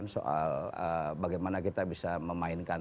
soal bagaimana kita bisa memainkan